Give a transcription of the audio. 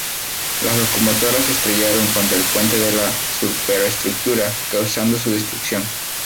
Las locomotoras se estrellaron contra el puente de la superestructura, causando su destrucción.